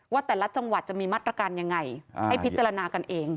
ว่าแต่ละจังหวัดจะมีมาตรการยังไงให้พิจารณากันเอง